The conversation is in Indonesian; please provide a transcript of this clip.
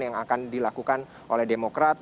yang akan dilakukan oleh demokrat